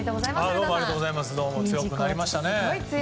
強くなりましたね。